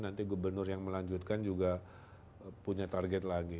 nanti gubernur yang melanjutkan juga punya target lagi